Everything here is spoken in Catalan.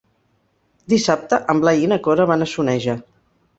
Dissabte en Blai i na Cora van a Soneja.